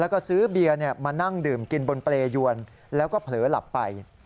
แล้วก็ซื้อเบียร์มานั่งดื่มกินบนเปรยวนแล้วก็เผลอหลับไป